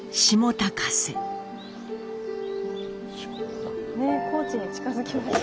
高知に近づきました。